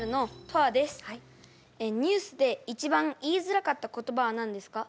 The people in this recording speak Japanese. ニュースで一番言いづらかった言葉は何ですか？